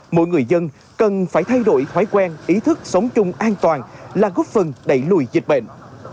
mỗi người dân cần phải thay đổi thói quen ý thức sống chung an toàn là góp phần đẩy lùi dịch bệnh